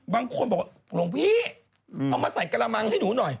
บางคนบอกว่าหลวงพี่เอามาใส่กระมังให้หนูหน่อย